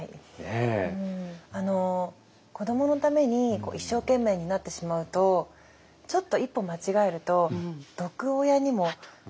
あの子どものために一生懸命になってしまうとちょっと一歩間違えると毒親にもなりかねないと思うんですよね。